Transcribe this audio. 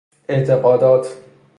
اعتقادات